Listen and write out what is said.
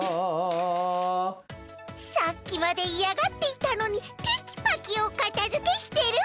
さっきまでいやがっていたのにテキパキおかたづけしてる！